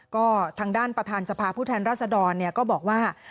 ก็ทางด้านประธานสภาผู้แทนรัศดรก็บอกว่า